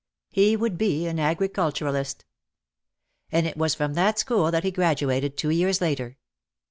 He would be an agriculturalist. And it was from that school that he graduated two years later.